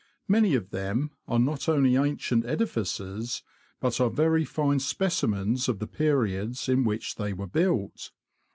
Many of them are not only ancient edifices, but are very fine specimens of the periods in which they were built.